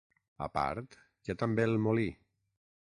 A part, hi ha també el Molí.